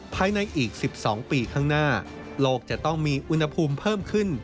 ภายในอีก๑๒ปีข้างหน้าโลกจะต้องมีอุณหภูมิเพิ่มขึ้น